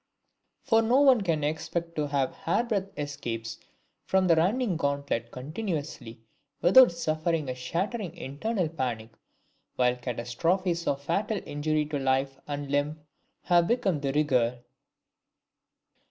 For no one can expect to have hairbreadth escapes from the running gauntlet continuously, without suffering a shattering internal panic, while catastrophes of fatal injury to life and limb have become de rigueur.